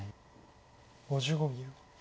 ５５秒。